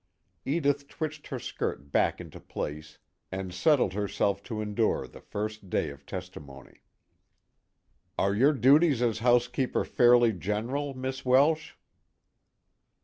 Edith twitched her skirt back into place and settled herself to endure the first day of testimony. "Are your duties as housekeeper fairly general, Miss Welsh?"